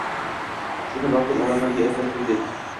Seni boqdim odamlarga ibrat bul deb